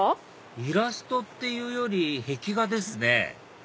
イラストっていうより壁画ですね